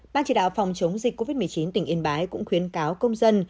ban chỉ đạo phòng chống dịch covid một mươi chín tỉnh yên bái cũng khuyến cáo công dân